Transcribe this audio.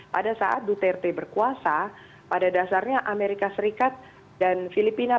pada saat duterte berkuasa pada dasarnya amerika serikat dan filipina